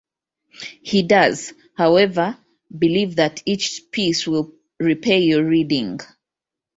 He does, however, believe that each piece will repay your reading.